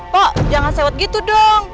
kok jangan sewet gitu dong